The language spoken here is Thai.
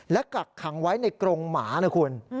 และกักขังไว้ในกรงหมานะคุณ